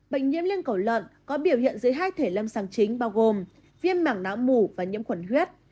bệnh nhiễm liên cổ lợn có biểu hiện dưới hai thể lâm sàng chính bao gồm phiêm mảng não mủ và nhiễm khuẩn huyết